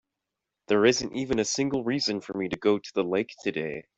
There isn't even a single reason for me to go to the lake today.